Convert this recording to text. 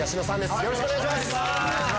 よろしくお願いします